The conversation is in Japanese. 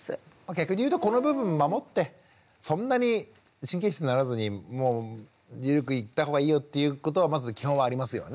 逆に言うとこの部分を守ってそんなに神経質にならずに緩くいった方がいいよっていうことはまず基本はありますよね。